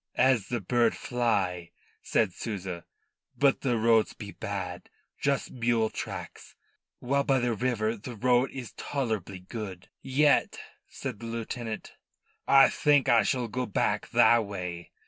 "As the bird fly," said Souza. "But the roads be bad just mule tracks, while by the river the road is tolerable good." "Yet," said the lieutenant, "I think I shall go back tha' way."